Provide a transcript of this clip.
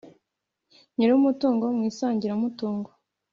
Nyir umutungo mu isangiramutungo